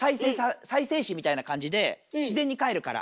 再生紙みたいな感じで自然にかえるから。